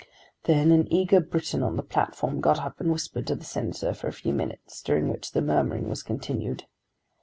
Then an eager Briton on the platform got up and whispered to the Senator for a few minutes, during which the murmuring was continued.